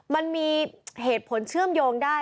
มันมีเหตุผลเชื่อมโยงได้